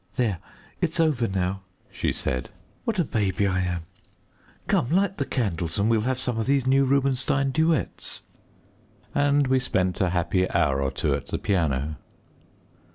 "There, it's over now," she said. "What a baby I am! Come, light the candles, and we'll have some of these new Rubinstein duets." And we spent a happy hour or two at the piano.